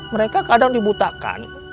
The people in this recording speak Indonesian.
mereka kadang dibutakkan